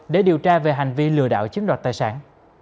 để điều tra về hành vi lừa đạo chiến đoạt tài sản